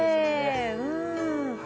うん。